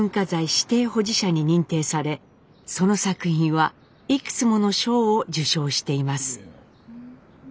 指定保持者に認定されその作品はいくつもの賞を受賞しています。